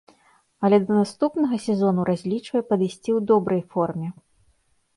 Але да наступнага сезону разлічвае падысці ў добрай форме.